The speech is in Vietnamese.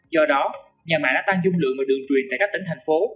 do đó nhà mạng đã tăng dung lượng và đường truyền tại các tỉnh thành phố